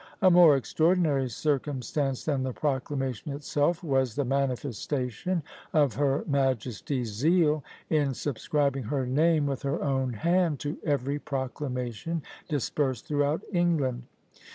A more extraordinary circumstance than the proclamation itself was the manifestation of her majesty's zeal, in subscribing her name with her own hand to every proclamation dispersed throughout England.